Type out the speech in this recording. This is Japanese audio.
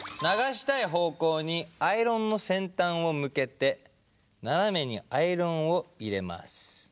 流したい方向にアイロンの先端を向けてナナメにアイロンを入れます。